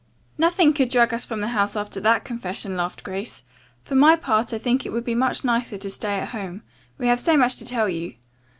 "Nothing could drag us from the house after that confession," laughed Grace. "For my part I think it would be much nicer to stay at home. We have so much to tell you."